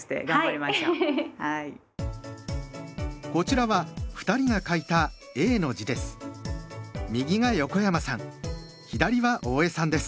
こちらは２人が書いた「永」の字です。